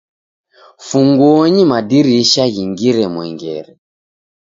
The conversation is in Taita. Funguonyi madirisha ghingire mwengere.